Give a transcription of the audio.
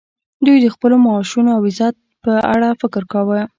دوی د خپلو معاشونو او عزت په اړه فکر کاوه